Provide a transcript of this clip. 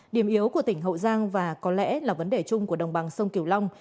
điểm yếu của tỉnh hậu giang và có lẽ là vấn đề chung của đồng bằng sông kiều long